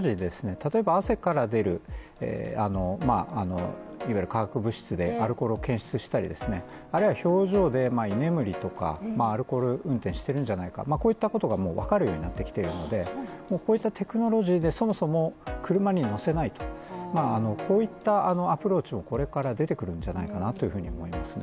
例えば汗から出るいわゆる化学物質でアルコールを検出したりですね、あるいは表情で居眠りとかアルコール運転してるんじゃないかこういったことがもうわかるようになってきているので、もうこういったテクノロジーでそもそも車に乗せないと、こういったアプローチもこれから出てくるんじゃないかなというふうに思いますね。